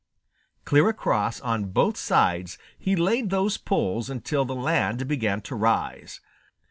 Clear across on both sides he laid those poles until the land began to rise.